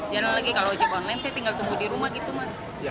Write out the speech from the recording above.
jalan lagi kalau ojek online saya tinggal tunggu di rumah gitu mas